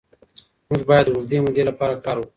موږ بايد د اوږدې مودې لپاره کار وکړو.